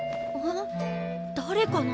だれかな？